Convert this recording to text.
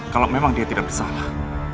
kalau memang dia tidak bersalah